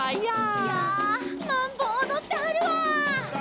「いゃあマンボおどってはるわ」